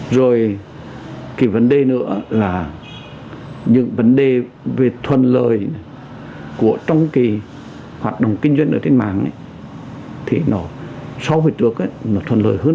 rồi vấn đề nữa là những vấn đề về thuần lời trong hoạt động kinh doanh trên mạng